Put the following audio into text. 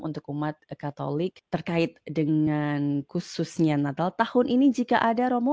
untuk umat katolik terkait dengan khususnya natal tahun ini jika ada romo